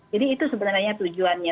jadi itu sebenarnya tujuannya